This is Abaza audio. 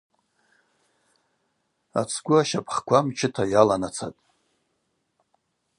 Ацгвы ащапӏква мчыта йаланацатӏ.